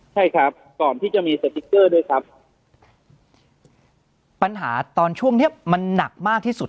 ใช่ครับก่อนที่จะมีสติ๊กเกอร์ด้วยครับปัญหาตอนช่วงเนี้ยมันหนักมากที่สุด